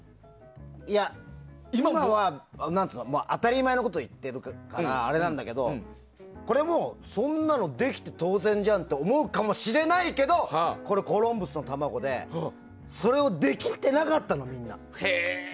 今は当たり前のことを言ってるから、あれなんだけどこれもそんなのできて当然じゃんって思うかもしれないけどこれ、コロンブスの卵でそれ、できてなかったの。